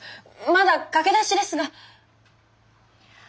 まだ駆け出しですが。